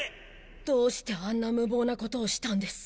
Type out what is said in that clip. どうしてあんな無謀なことをしたんです？